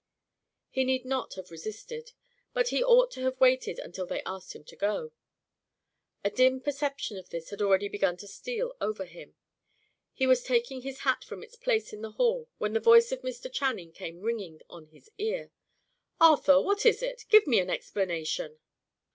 He need not have resisted, but he ought to have waited until they asked him to go. A dim perception of this had already begun to steal over him. He was taking his hat from its place in the hall, when the voice of Mr. Channing came ringing on his ear. "Arthur, what is this? Give me an explanation."